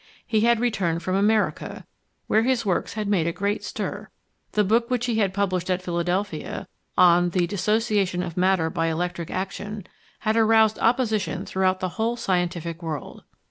He had returned from America, where his works had made a great stir. The book which he had published at Philadelphia, on the "Dissociation of Matter by Electric Action," had aroused opposition throughout the whole scientific world.